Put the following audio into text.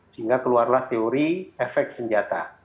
sehingga keluarlah teori efek senjata